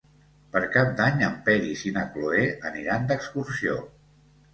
Per Cap d'Any en Peris i na Cloè aniran d'excursió.